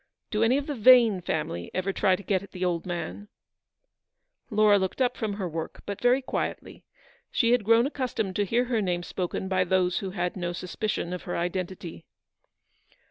Do any of the Vane family ever try to get at the old man ?" Eleanor looked up from her work, but very quietly; she had grown accustomed to hear her name spoken by those who had no suspicion of her identity.